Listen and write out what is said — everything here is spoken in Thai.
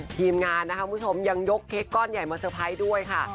ทีมงานนะคะคุณผู้ชมยังยกเค้กก้อนใหญ่มาเตอร์ไพรส์ด้วยค่ะ